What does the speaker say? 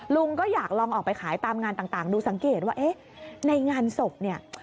ลุงก็อยากลองออกไปขายตามงานต่างดูสังเกตว่าเอ๊ะในงานศพเนี่ย